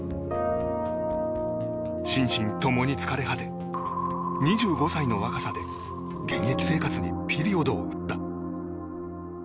心身共に疲れ果て２５歳の若さで現役生活にピリオドを打った。